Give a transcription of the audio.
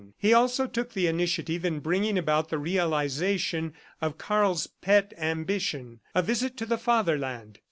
He also took the initiative in bringing about the realization of Karl's pet ambition a visit to the Fatherland.